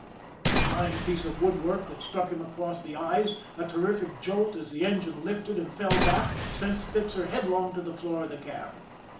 A flying piece of woodwork that struck him across the eyes, a terrific jolt as the engine lifted and fell back, sent Spitzer headlong to the floor of the cab.